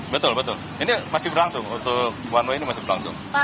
betul betul ini masih berlangsung untuk one way ini masih berlangsung